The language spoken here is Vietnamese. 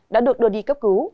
đã được đưa đi cấp cứu